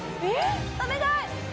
お願い！